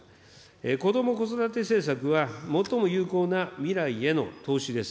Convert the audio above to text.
こども・子育て政策は最も有効な未来への投資です。